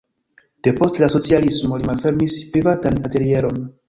Depost la socialismo li malfermis privatan atelieron.